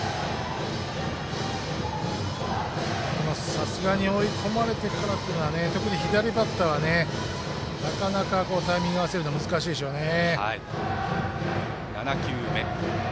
さすがに追い込まれてからというのは特に左バッターはなかなかタイミング合わせるの難しいでしょうね。